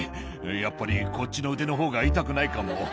やっぱりこっちの腕のほうが痛くないかも。